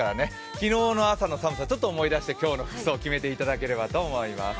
昨日の朝の寒さちょっと思い出して今日の服装決めていただければと思います。